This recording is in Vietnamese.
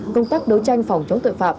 công tác đấu tranh phòng chống tội phạm